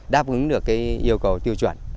đáp ứng được yêu cầu tiêu chuẩn